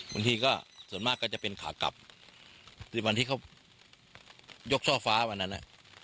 บางทีก็ส่วนมากก็จะเป็นขากลับคือวันที่เขายกช่อฟ้าวันนั้น